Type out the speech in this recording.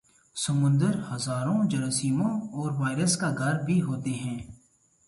سمندر ہزاروں جراثیموں اور وائرس کا گھر بھی ہوتے ہیں